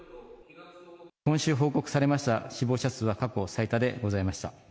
今週報告されました死亡者数は過去最多でございました。